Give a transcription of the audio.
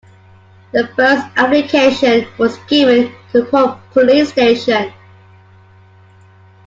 The first application was given to a Pune police station.